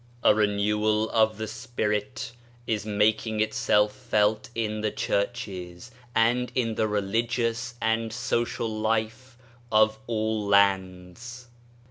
A renewal of the Spirit is making itself felt in the Churches and in the religious and social life of all lands.